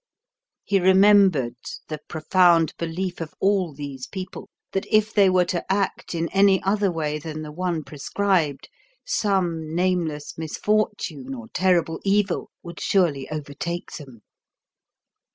He remembered the profound belief of all these people that if they were to act in any other way than the one prescribed, some nameless misfortune or terrible evil would surely overtake them.